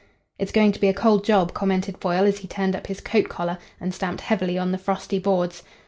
"It's going to be a cold job," commented Foyle, as he turned up his coat collar and stamped heavily on the frosty boards.